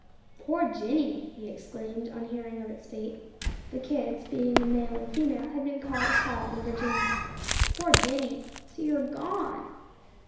"Poor Jinny!" he exclaimed, on hearing of its fate (the kids, being a male and female, had been called Paul and Virginia). "Poor Jinny! So you are gone!"